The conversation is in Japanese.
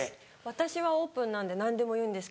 私はオープンなんで何でも言うんです。